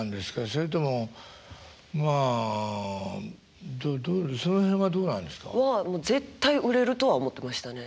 それともまあどうその辺はどうなんですか？は絶対売れるとは思ってましたね